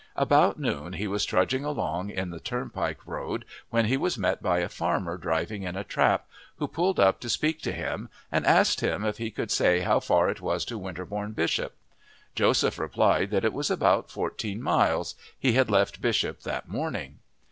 About noon he was trudging along in the turnpike road when he was met by a farmer driving in a trap, who pulled up to speak to him and asked him if he could say how far it was to Winterbourne Bishop. Joseph replied that it was about fourteen miles he had left Bishop that morning.